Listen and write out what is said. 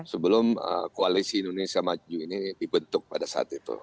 sebelum koalisi indonesia maju ini dibentuk pada saat itu